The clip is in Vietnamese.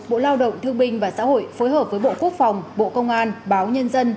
bộ lao động thương binh và xã hội phối hợp với bộ quốc phòng bộ công an báo nhân dân